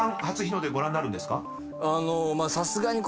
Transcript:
初日の出ご覧になるんですか？］